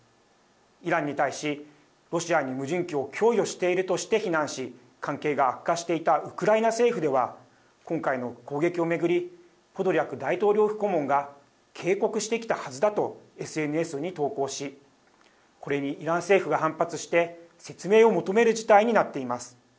イランに対しロシアに無人機を供与しているとして非難し関係が悪化していたウクライナ政府では今回の攻撃を巡りポドリャク大統領府顧問が警告してきたはずだとＳＮＳに投稿しこれにイラン政府が反発して説明を求める事態になっています。